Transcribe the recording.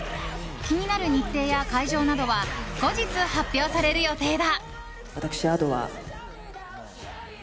気になる日程や会場などは後日発表される予定だ。